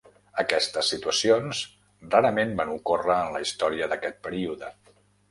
Aquestes situacions rarament van ocórrer en la història d'aquest període.